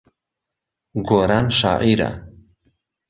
گۆران شاعیرە.